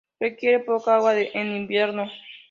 Requiere poca agua en invierno.